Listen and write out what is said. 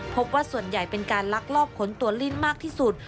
พบว่าส่วนใหญ่เป็นการลักลอบขนตัวลิ้นมากที่สุด